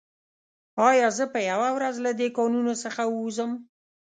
ایا زه به یوه ورځ له دې کانونو څخه ووځم